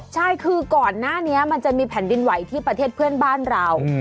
ใช่คือก่อนหน้านี้มันจะมีแผ่นดินไหวที่ประเทศเพื่อนบ้านเรา